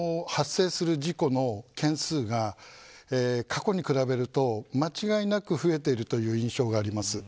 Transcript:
発生する事故の件数が過去に比べると間違いなく増えているという印象があります。